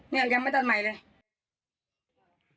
นี่แหลมไม่ตัดใหม่เลย